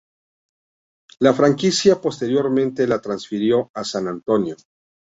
La franquicia posteriormente la transfirió a San Antonio.